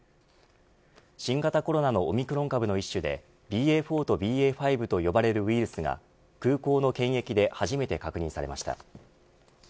新型コロナのオミクロン株の一種でＢＡ．４とＢＡ．５と呼ばれるウイルスが空港の検疫で初めて確認されました。